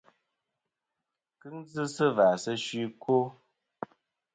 Kɨŋ dzɨ sɨ và sɨ fsi ɨkwo.